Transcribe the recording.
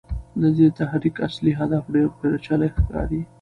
د دې تحریک اهداف ډېر پېچلي ښکاري.